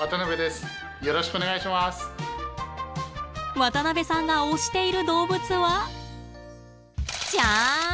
渡辺さんが推している動物は。じゃん！